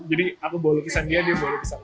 jadi aku bawa lukisan dia dia bawa lukisan gue